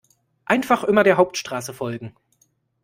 Einfach immer der Hauptstraße folgen.